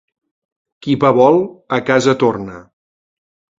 Qui pa vol, a casa torna.